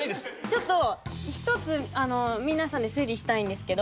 ちょっと１つ皆さんで推理したいんですけど。